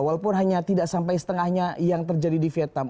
walaupun hanya tidak sampai setengahnya yang terjadi di vietnam